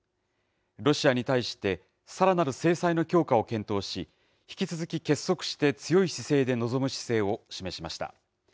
ロシアに対して、さらなる制裁の強化を検討し、引き続き結束して強い姿勢で臨む姿勢を示しました。